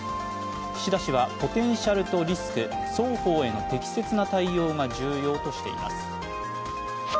岸田氏はポテンシャルとリスク双方への適切な対応が重要としています。